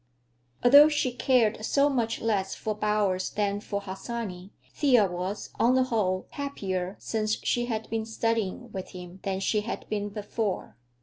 Although she cared so much less for Bowers than for Harsanyi, Thea was, on the whole, happier since she had been studying with him than she had been before.